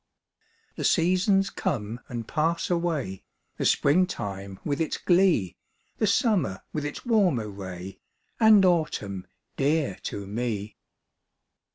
The seasons come and pass away : The spring time with its glee, The summer with its warmer ray, And autumn, dear to me.